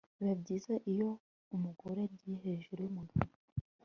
biba byiza iyo umugore agiye hejuru y'umugabo